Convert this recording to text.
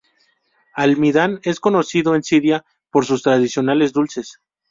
Al-Midán es conocido en Siria por sus tradicionales dulces.